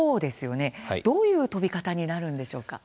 ４どういう飛び方になるんでしょうか。